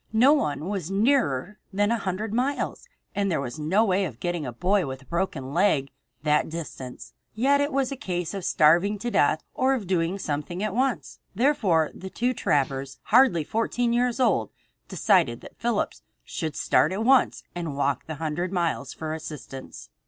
No one was nearer than a hundred miles, and there was no way of getting a boy with a broken leg that distance. Yet it was a case of starving to death or of doing something at once. Therefore the two trappers, hardly fourteen years old, decided that Phillips should start at once and walk the hundred miles for assistance.